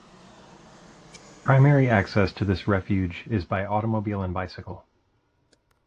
Primary access to this refuge is by automobile and bicycle.